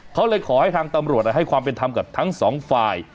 เขาเลยขอให้ทางตำรวจให้ความเป็นธรรมกับทั้งสองฝ่าย